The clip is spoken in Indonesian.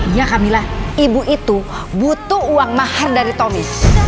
iya kamila ibu itu butuh uang mahal dari tommy